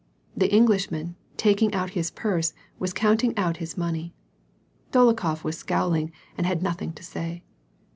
The Englishman, taking out his purse, was counting out his money. Dolokhof was scowling, and had nothing to say.